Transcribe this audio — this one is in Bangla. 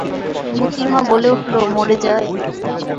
মোতির মা বলে উঠল, মরে যাই!